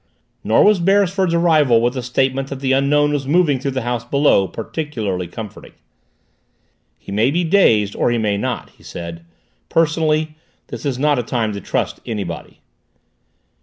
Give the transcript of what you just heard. Nor was Beresford's arrival with the statement that the Unknown was moving through the house below particularly comforting. "He may be dazed, or he may not," he said. "Personally, this is not a time to trust anybody."